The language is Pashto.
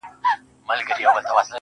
بيا تس ته سپكاوى كوي بدرنگه ككــرۍ~